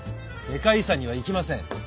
世界遺産には行きません。